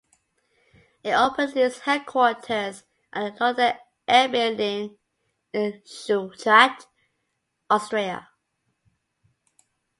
It opened its headquarters in the Lauda Air Building in Schwechat, Austria.